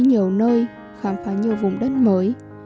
nhiều nơi khám phá nhiều vùng đất mới